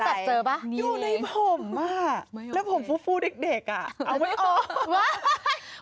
แบบเจอป่ะอยู่ในผมอ่ะแล้วผมฟูเด็กอ่ะเอาไม่ออกวะ